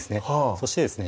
そしてですね